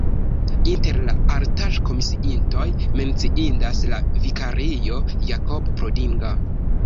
Inter la artaĵkomisiintoj menciindas la vikario Jakob Prodinger.